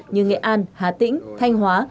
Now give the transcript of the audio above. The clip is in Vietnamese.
như nghệ an hà tĩnh thanh hóa